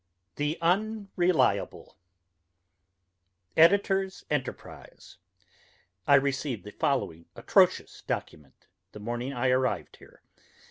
THE UNRELIABLE EDS. ENTERPRISE I received the following atrocious document the morning I arrived here.